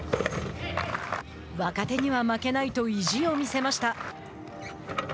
若手には負けないと意地を見せました。